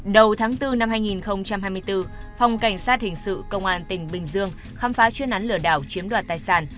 đầu tháng bốn năm hai nghìn hai mươi bốn phòng cảnh sát hình sự công an tỉnh bình dương khám phá chuyên án lửa đảo chiếm đoạt tài sản